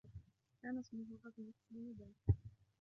كان إسمها أغنس آنذاك.